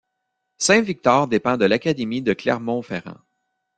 Saint-Victor dépend de l'académie de Clermont-Ferrand.